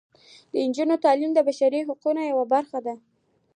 د نجونو تعلیم د بشري حقونو یوه برخه ده.